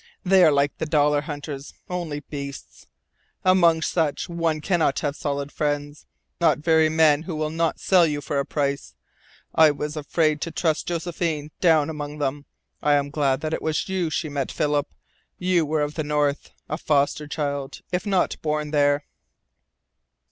They are like the Dollar Hunters only beasts. Among such, one cannot have solid friends not very many who will not sell you for a price. I was afraid to trust Josephine down among them. I am glad that it was you she met, Philip. You were of the North a foster child, if not born there."